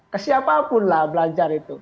kesiapapun lah belajar itu